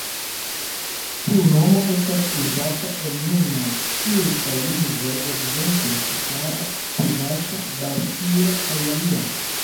Tiu nomo estas uzata en nunaj tjurkaj lingvoj, ekzemple tatara, ĉuvaŝa, baŝkira kaj aliaj.